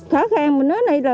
khó khăn một nước này